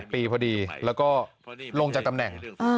ปีพอดีแล้วก็ลงจากตำแหน่ง